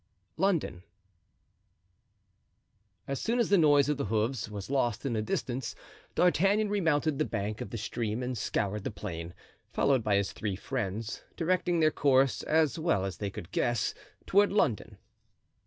London. As soon as the noise of the hoofs was lost in the distance D'Artagnan remounted the bank of the stream and scoured the plain, followed by his three friends, directing their course, as well as they could guess, toward London.